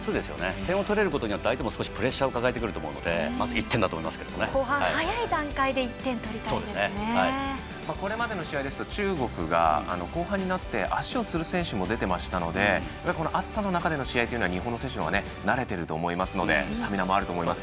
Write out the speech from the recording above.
点を取れることによって相手も少しプレッシャーを抱えてくると思うので後半、早い段階でそうですね。これまでの試合ですと中国が後半になって足をつる選手も出ていましたので暑さの中での試合というのは日本の選手のほうが慣れていると思いますのでスタミナもあると思います。